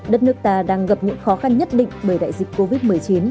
đất nước ta đang gặp những khó khăn nhất định bởi đại dịch covid một mươi chín